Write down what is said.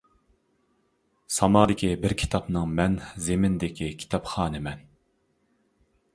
سامادىكى بىر كىتابنىڭ مەن زېمىندىكى كىتابخانى مەن.